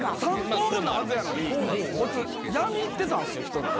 ３等分のはずやのにこいつ闇行ってたんすよ１人で。